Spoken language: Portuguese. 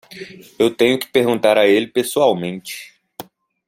Eu tenho que perguntar a ele pessoalmente.